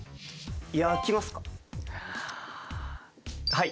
はい。